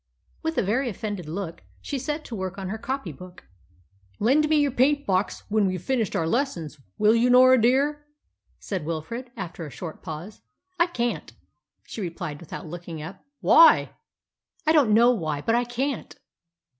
With a very offended look, she set to work on her copy book. "Lend me your paint box when we've finished our lessons, will you, Norah dear?" said Wilfrid, after a short pause. "I can't," she replied, without looking up. "Why?" "I don't know why, but I can't."